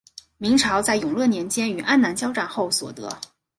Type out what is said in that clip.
明朝在永乐年间与安南交战后所得。